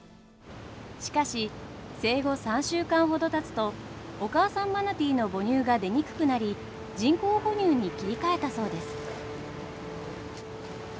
しかし生後３週間ほどたつとお母さんマナティーの母乳が出にくくなり人工哺乳に切り替えたそうです。